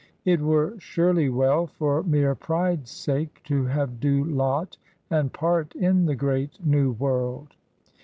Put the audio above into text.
It were surely well, for mere pride's sake, to have due lot and part in the great New World!